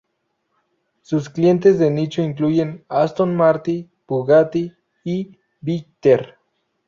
Sus clientes de nicho incluyen Aston Martin, Bugatti y Bitter.